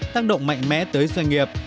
tác động mạnh mẽ tới doanh nghiệp